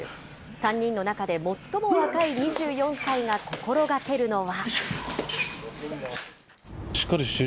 ３人の中で最も若い２４歳が心がけるのは。